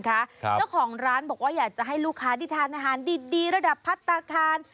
เจ้าของร้านบอกว่าอยากจะให้ลูกค้าที่ทานอาหารดีดีระดับพัฒนาคาร